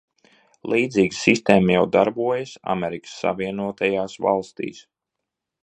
Līdzīga sistēma jau darbojas Amerikas Savienotajās Valstīs.